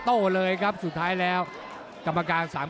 หรือว่าผู้สุดท้ายมีสิงคลอยวิทยาหมูสะพานใหม่